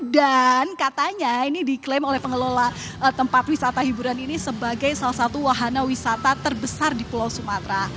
dan katanya ini diklaim oleh pengelola tempat wisata hiburan ini sebagai salah satu wahana wisata terbesar di pulau sumatra